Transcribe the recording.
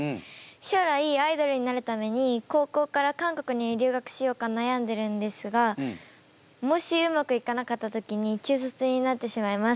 将来アイドルになるために高校から韓国に留学しようかなやんでるんですがもしうまくいかなかった時に中卒になってしまいます。